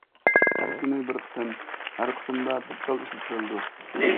ھەر كۈنى بىر قېتىم، ھەر قېتىمدا بىر تال ئىشلىتىلىدۇ.